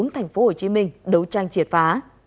thành phố hồ chí minh đấu tranh triệt phá